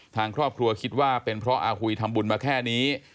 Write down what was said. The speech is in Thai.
ทางครอบครัวคิดว่าเป็นเพราะอาหุยทำบุญมาแค่นี้